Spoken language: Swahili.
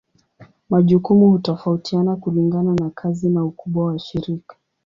Majukumu hutofautiana kulingana na kazi na ukubwa wa shirika.